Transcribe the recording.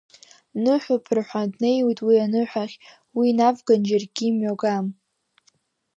Ныҳәоуп рҳәан, днеиуеит уи аныҳәахь, уи инавган џьаргьы имҩа гам.